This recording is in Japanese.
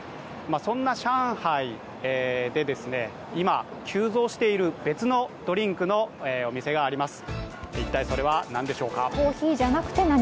そんな上海で今、急増している別のドリンクのお店があります。